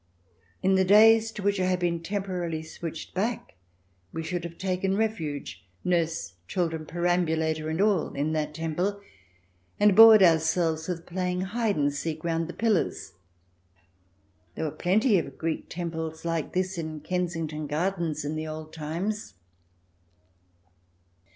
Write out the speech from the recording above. In the days to which I had been temporarily switched back we should have taken refuge — nurse, children, perambulator, and all — in that temple, and bored ourselves with playing hide CH. xvii] QUEENS DISCROWNED 247 and seek round the pillars. There were plenty of Greek Temples like this in Kensington Gardens in the old times.